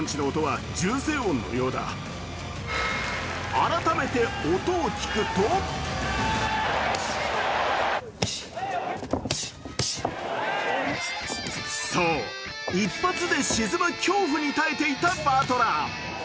改めて音を聞くとそう、一発で沈む恐怖に耐えていたバトラー。